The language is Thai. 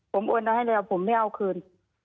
ผมโอนเอาให้แล้วผมไม่เอาคืน